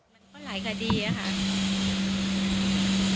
มันก็หลายคดีอะค่ะ